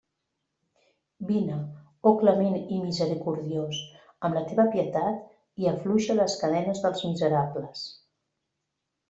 Vine, oh clement i misericordiós, amb la teva pietat, i afluixa les cadenes dels miserables.